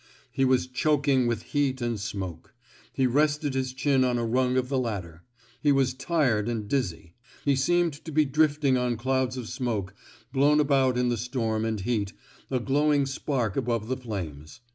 He was choking with heat and smoke. He rested his chin on a rung of the ladder. He was tired and dizzy. He seemed to be drifting on clouds of smoke, blown about in the storm and heat, a glowing spark above the flames.